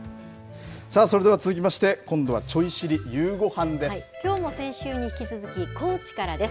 さあ、それでは続きまして、今度きょうも先週に引き続き、高知からです。